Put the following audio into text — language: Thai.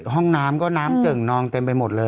ห้องน้ำก็น้ำเจิ่งนองเต็มไปหมดเลย